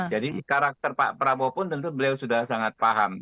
jadi karakter pak prabowo pun tentu beliau sudah sangat paham